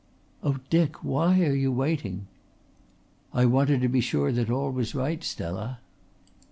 "Oh, Dick, why are you waiting?" "I wanted to be sure that all was right, Stella."